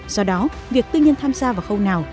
do đó việc tư nhân tham gia vào khâu nào